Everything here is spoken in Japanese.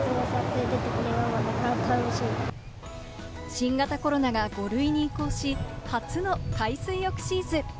新型コロナが５類に移行し、初の海水浴シーズン。